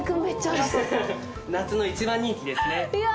夏の一番人気ですね。